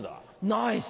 ナイス！